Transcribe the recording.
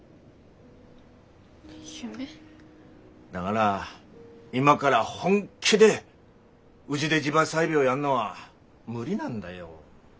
だがら今から本気でうぢで地場採苗やんのは無理なんだよ。